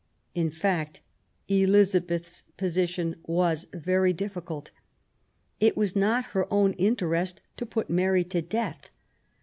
In fact, Elizabeth's position was very difficult. It was not her own interest to put Mary to death.